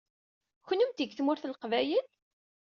Kennemti seg Tmurt n Leqbayel?